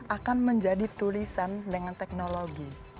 akan menjadi tulisan dengan teknologi